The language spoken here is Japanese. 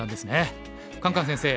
カンカン先生